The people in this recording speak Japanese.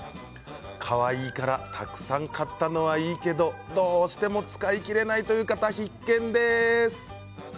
かわいいからたくさん買ったのはいいけどどうしても使い切れないという方必見です。